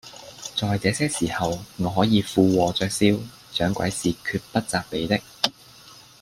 在這些時候，我可以附和着笑，掌櫃是決不責備的